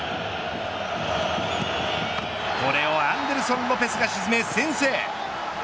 これをアンデルソン・ロペスが沈め先制。